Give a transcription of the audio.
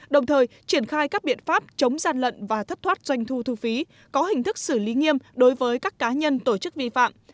đồng thời triển khai các biện pháp chống gian lận và thất thoát doanh thu thu phí có hình thức xử lý nghiêm đối với các cá nhân tổ chức vi phạm